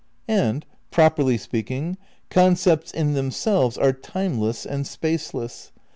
And, properly speaking, concepts in themselves are timeless and spaceless.